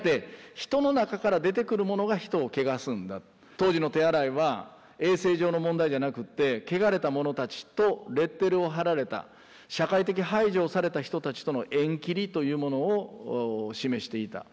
当時の手洗いは衛生上の問題じゃなくってけがれた者たちとレッテルを貼られた社会的排除をされた人たちとの縁切りというものを示していた。